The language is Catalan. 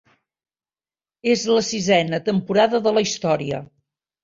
És la sisena temporada de la història.